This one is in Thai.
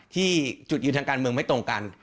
ที่จุดยืนทางการเมืองไม่ตรงกัน